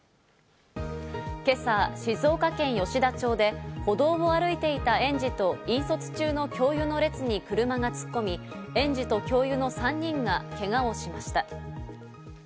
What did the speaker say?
今朝、静岡県吉田町で歩道を歩いていた園児と引率中の教諭の列に車が突っ込み、園児と教諭の３人がけがをしました。